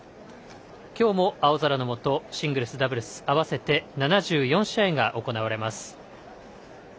今日も青空のもとシングルス、ダブルス合わせて７４試合が行われます。